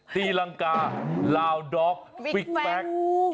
ตีรังกาลาวด๊อกวิกแวกอีตรบ